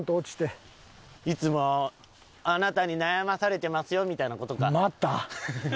いつもあなたに悩まされてますよみたいな事か。